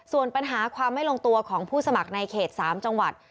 ส่วนปัญหาความไม่ลงตัวของผู้สมัครในเขต๓จังหวัด